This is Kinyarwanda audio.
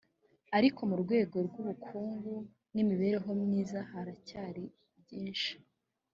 ariko mu rwego rw ubukungu n imibereho myiza haracyari byinshi